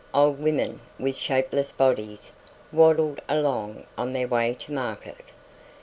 Old women with shapeless bodies waddled along on their way to market.